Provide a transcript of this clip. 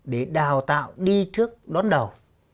để đào tạo đi trước đón đầu